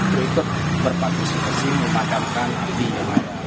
berikut berpaktus kita sih memadamkan api yang ada